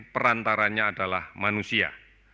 perantaranya adalah manusia